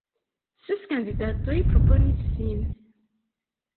Ses kandidatoj proponis sin.